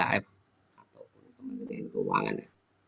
dari bkf atau pemerintah keuangan